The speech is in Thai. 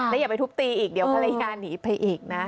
อย่าไปทุบตีอีกเดี๋ยวภรรยาหนีไปอีกนะ